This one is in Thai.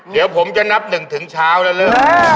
เดี๋ยวผมจะนับนึงถึงเช้าแล้วเลย